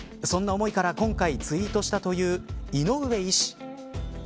そんな思いから今回ツイートしたという井上医師。